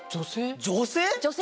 女性？